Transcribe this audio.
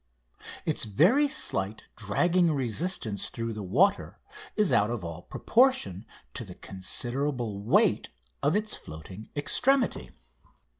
Its very slight dragging resistance through the water is out of all proportion to the considerable weight of its floating extremity.